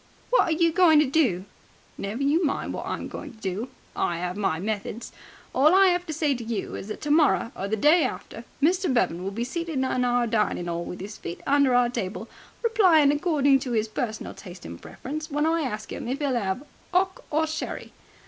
"What are you going to do?" "Never you mind what I'm going to do. I 'ave my methods. All I 'ave to say to you is that tomorrow or the day after Mr. Bevan will be seated in our dining 'all with 'is feet under our table, replying according to his personal taste and preference, when I ask 'im if 'e'll 'ave 'ock or sherry.